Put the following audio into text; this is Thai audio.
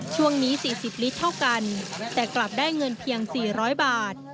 ช่วงนี้๔๐ลิตรเท่ากันแต่กลับได้เงินเพียง๔๐๐บาท